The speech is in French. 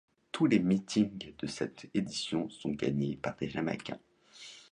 Tous les meetings de cette édition sont gagnés par des Jamaïquains.